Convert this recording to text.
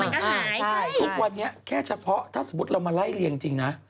ใช่ทุกวันนี้แค่เฉพาะถ้าสมมุติเรามาไล่เรียงจริงนะ